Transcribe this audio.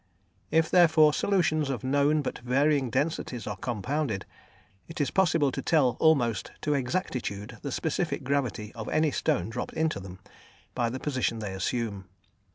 If, therefore, solutions of known but varying densities are compounded, it is possible to tell almost to exactitude the specific gravity of any stone dropped into them, by the position they assume.